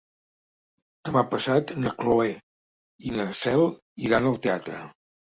Demà passat na Cloè i na Cel iran al teatre.